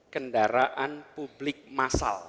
kendaraan publik massal